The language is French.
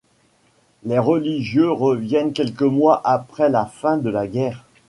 Les religieux reviennent quelques mois après la fin de la guerre.